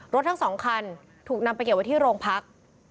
ทั้งสองคันถูกนำไปเก็บไว้ที่โรงพัก